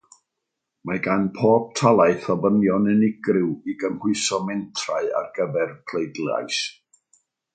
Mae gan bob talaith ofynion unigryw i gymhwyso mentrau ar gyfer pleidlais.